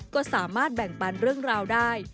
ก็สามารถแบ่งปันเรื่องราวได้